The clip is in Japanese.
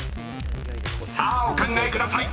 ［さあお考えください］